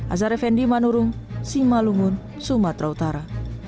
azarefendi manurung simalungun sumatera utara